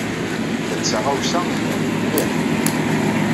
Ta d taɣawsa ibanen mliḥ.